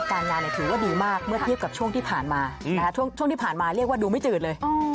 การงานถือว่าดีมากเมื่อเทียบกับช่วงที่ผ่านมาช่วงที่ผ่านมาเรียกว่าดูไม่จืดเลย